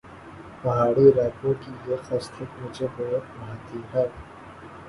پہاڑی علاقوں کی یہ خصلت مجھے بہت بھاتی ہے